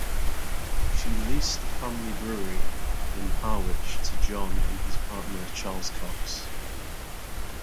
She leased the family brewery in Harwich to John and his partner Charles Cox.